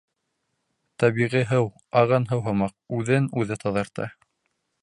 — Тәбиғи һыу, ағын һыу һымаҡ, үҙен үҙе таҙарта.